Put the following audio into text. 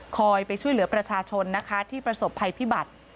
ไปช่วยเหลือประชาชนนะคะที่ประสบภัยพิบัติ